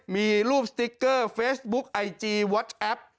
มีรูปสติ๊กเกอร์เฟซบุ๊กไอจีวอตแอป